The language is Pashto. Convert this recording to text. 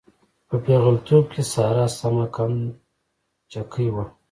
په پېغلتوب کې ساره سمه قند چکۍ وه.